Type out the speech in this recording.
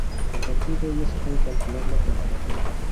A partir de ella se puede calcular la temperatura.